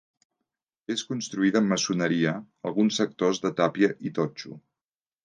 És construïda amb maçoneria, alguns sectors de tàpia i totxo.